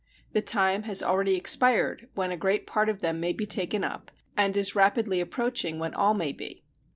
The time has already expired when a great part of them may be taken up, and is rapidly approaching when all may be.